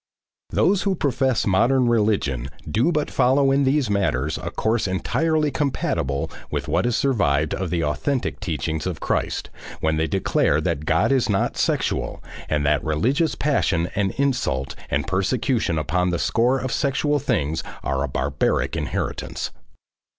Those who profess modern religion do but follow in these matters a course entirely compatible with what has survived of the authentic teachings of Christ, when they declare that God is not sexual, and that religious passion and insult and persecution upon the score of sexual things are a barbaric inheritance.